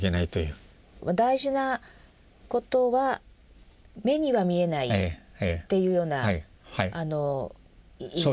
「大事なことは目には見えない」っていうような意味。